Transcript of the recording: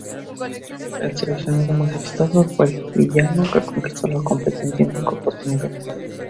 El seleccionado más exitoso fue el fiyiano, que conquistó la competencia en cinco oportunidades.